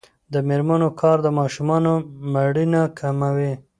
د میرمنو کار د ماشومانو مړینه کموي.